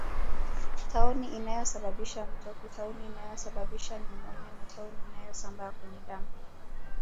Tauni inayosababisha mtoki tauni inayosababisha nyumonia na tauni inayosambaa kwenye damu